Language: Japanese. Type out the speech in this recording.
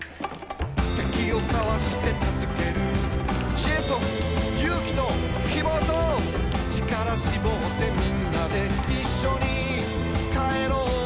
「敵をかわしてたすける」「知恵と、勇気と、希望と」「ちからしぼってみんなでいっしょに帰ろう」